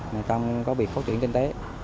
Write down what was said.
để tâm có việc phát triển kinh tế